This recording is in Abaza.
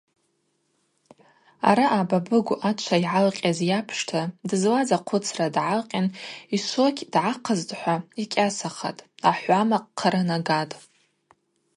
Араъа Бабыгв ачва йгӏалкъьаз йапшта дызлаз ахъвыцра дгӏалкъьан йшвокь дгӏахъызтӏхӏва йкӏьасахатӏ – ахӏвамакъ хъаранагатӏ.